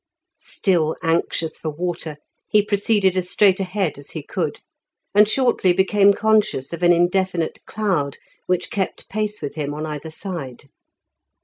Still anxious for water, he proceeded as straight ahead as he could, and shortly became conscious of an indefinite cloud which kept pace with him on either side.